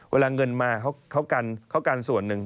เวลาเงินมาเขากันส่วนหนึ่ง